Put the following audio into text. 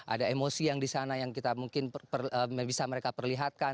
ada emosi yang di sana yang kita mungkin bisa mereka perlihatkan